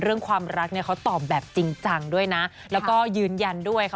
เรื่องความรักเนี่ยเขาตอบแบบจริงจังด้วยนะแล้วก็ยืนยันด้วยค่ะ